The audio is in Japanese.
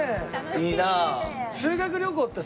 いいなあ。